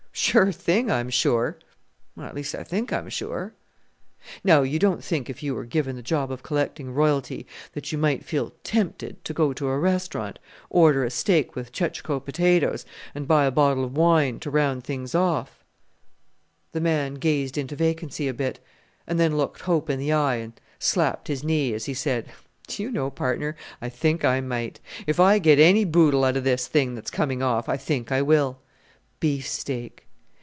"Sure thing, I'm sure at least I think I'm sure." "Now don't you think if you were given the job of collecting royalty, that you might feel tempted to go to a restaurant, order a steak with chechacho potatoes, and buy a bottle of wine to round things off?" Fresh potatoes as distinguished from evaporated potatoes. The man gazed into vacancy a bit, and then looked Hope in the eye, and slapped his knee, as he said, "Do you know, partner, I think I might if I get any boodle out of this thing that's coming off, I think I will. Beefsteak!